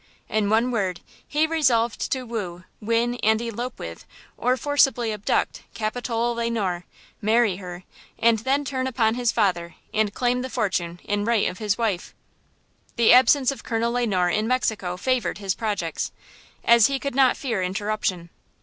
In one word, he resolved to woo, win and elope with, or forcibly abduct, Capitola Le Noir, marry her and then turn upon his father and claim the fortune in right of his wife. The absence of Colonel Le Noir in Mexico favored his projects, as he could not fear interruption.